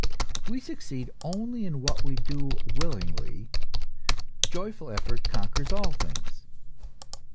We succeed only in what we do willingly; joyful effort conquers all things.